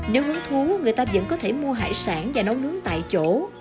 nếu hứng thú người ta vẫn có thể mua hải sản và nấu nướng tại chỗ